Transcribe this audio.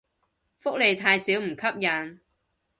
福利太少唔吸引